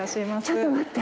ちょっと待って。